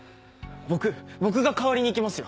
僕僕が代わりに行きますよ！